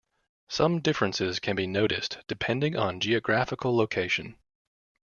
Some differences can be noticed depending on geographical location.